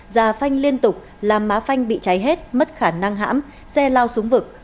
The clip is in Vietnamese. già phanh liên tục làm má phanh bị cháy hết mất khả năng hãm xe lao xuống vực